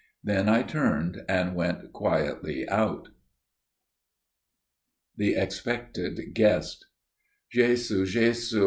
Then I turned and went quietly out. The Expected Guest "Jhesu! Jhesu!